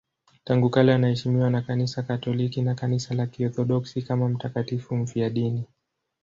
Tangu kale anaheshimiwa na Kanisa Katoliki na Kanisa la Kiorthodoksi kama mtakatifu mfiadini.